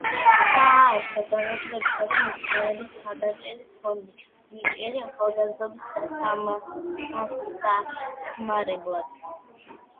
დააარსა განათლებისა და მეცნიერების მხარდაჭერის ფონდი ნიჭიერი ახალგაზრდობის დასახმარებლად.